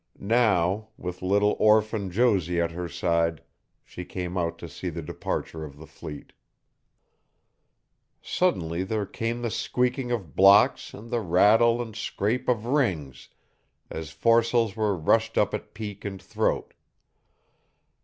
Now, with little orphan Josie at her side, she came out to see the departure of the fleet. Suddenly there came the squeaking of blocks and the rattle and scrape of rings as foresails were rushed up at peak and throat.